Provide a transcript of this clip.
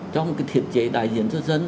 trong cái thiết chế đại diện cho dân